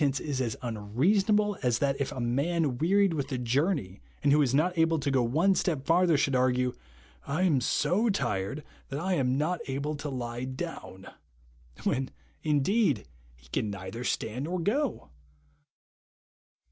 tence is as unrcasonaMe as that if a man wearied with a journey, and wdio is not able to go one step farther, should argue, ' I am so tired that I am not able to lie down,' when, indeed, he can neither stand nor go.